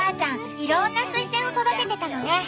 いろんなスイセンを育ててたのね！